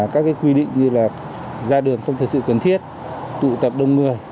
các quy định như là ra đường không thực sự cần thiết tụ tập đông người